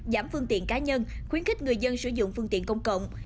giảm phương tiện cá nhân khuyến khích người dân sử dụng phương tiện công cộng